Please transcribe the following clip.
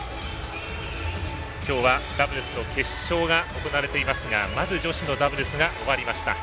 今日はダブルスの決勝が行われていますがまず女子のダブルスが終わりました。